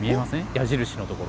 矢印のところ。